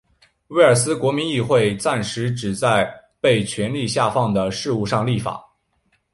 威尔斯国民议会暂时只在被权力下放的事务上立法。